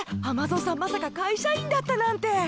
アマゾーさんまさか会社員だったなんて！